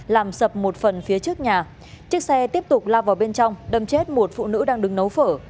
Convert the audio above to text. làm sập một phần phía trước nhà chiếc xe tiếp tục lao vào bên trong đâm chết một phụ nữ đang đứng nấu phở